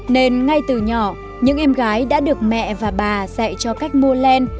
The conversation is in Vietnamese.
nên ngay từ nhỏ những em gái đã được mẹ và bà dạy cho cách mua len